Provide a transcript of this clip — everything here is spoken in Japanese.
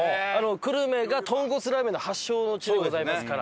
久留米が豚骨ラーメンの発祥の地でございますから。